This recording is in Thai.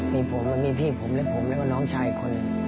มีผมแล้วก็มีพี่ผมและผมแล้วก็น้องชายคน